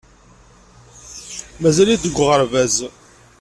Mazal-it deg uɣerbaz.